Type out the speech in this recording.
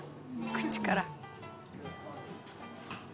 口から！」